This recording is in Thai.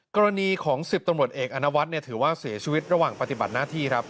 กรณีของ๑๐ตำรวจเอกอนวัฒน์ถือว่าเสียชีวิตระหว่างปฏิบัติหน้าที่ครับ